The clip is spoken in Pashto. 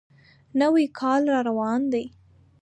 نوی کال را روان دی.